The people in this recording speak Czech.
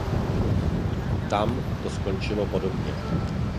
Tam to skončilo podobně.